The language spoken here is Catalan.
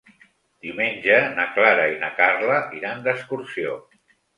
Diumenge na Clara i na Carla iran d'excursió.